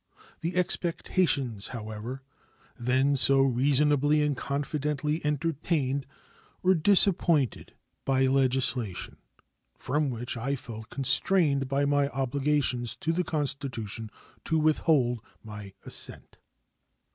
The expectations, however, then so reasonably and confidently entertained were disappointed by legislation from which I felt constrained by my obligations to the Constitution to withhold my assent.